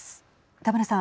田村さん。